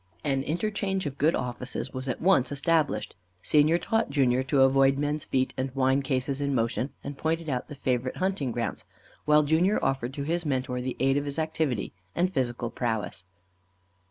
An interchange of good offices was at once established. Senior taught Junior to avoid men's feet and wine cases in motion, and pointed out the favourite hunting grounds, while Junior offered to his Mentor the aid of his activity and physical prowess.